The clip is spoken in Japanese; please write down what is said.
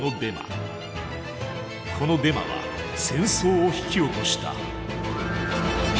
このデマは戦争を引き起こした。